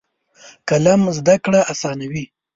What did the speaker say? قلم زده کړه اسانوي.